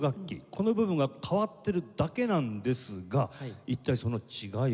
この部分が変わってるだけなんですが一体その違いは？